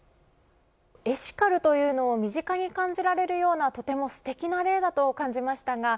エシカルというのを身近に感じられるような、とてもすてきな例だなと感じました。